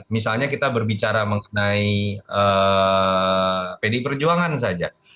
misalnya kita berbicara mengenai pdi perjuangan saja